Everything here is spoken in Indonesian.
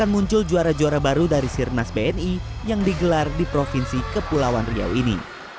muncul juara juara baru dari sirnas bni yang digelar di provinsi kepulauan riau ini